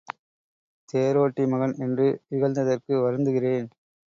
தேரோட்டி மகன் என்று இகழ்ந்ததற்கு வருந்துகிறேன்.